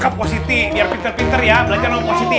cakep positi dia pinter pinter ya belajar sama positi ya